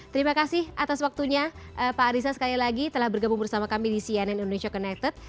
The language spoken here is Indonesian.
terima kasih atas waktunya pak ariza sekali lagi telah bergabung bersama kami di cnn indonesia connected